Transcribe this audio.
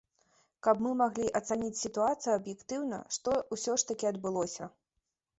Каб мы маглі ацаніць сітуацыю аб'ектыўна, што ўсё ж такі адбылося.